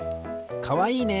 かわいいね！